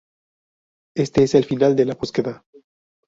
Este es el final de "la búsqueda".